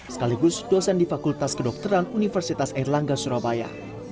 sekaligus dosen di fakultas kedokteran universitas erlangga surabaya